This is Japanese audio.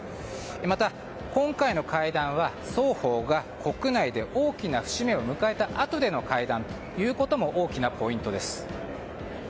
また、今回の会談は双方が国内で大きな節目を迎えたあとでの会談ということも大きなポイントです。